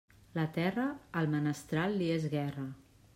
La terra, al menestral li és guerra.